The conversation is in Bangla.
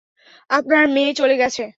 আপনার মেয়ে চলে গেছে।